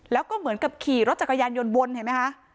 แล้วก็เหมือนกับขี่รถจักรยานยนต์วนเห็นไหมคะ